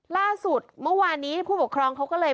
ล่าสุดเมื่อวานนี้ผู้ปกครองเขาก็เลย